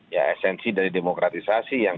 ya esensi dari demokratisasi